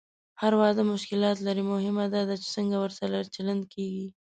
هر واده مشکلات لري، مهمه دا ده چې څنګه ورسره چلند کېږي.